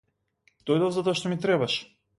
Дојдов затоа што ми требаш.